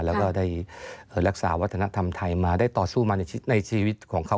แล้วก็ได้รักษาวัฒนธรรมไทยมาได้ต่อสู้มาในชีวิตของเขา